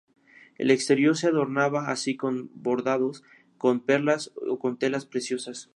El exterior se adornaba así con bordados, con perlas o con telas preciosas.